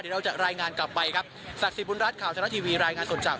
เดี๋ยวเราจะรายงานกลับไปครับศักดิ์สิทธิบุญรัฐข่าวทะละทีวีรายงานสดจาก